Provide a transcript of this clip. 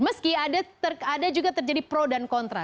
meski ada juga terjadi pro dan kontra